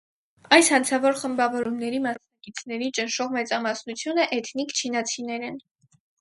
Այս հանցավոր խմբավորումների մասնակիցների ճնշող մեծամասնությունը էթնիկ չինացիներ են։